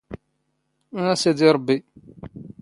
ⴰ ⵙⵉⴷⵉ ⵕⴱⴱⵉ!